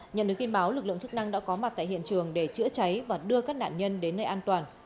nhận được tin báo lực lượng chức năng đã có mặt tại hiện trường để chữa cháy và đưa các nạn nhân đến nơi an toàn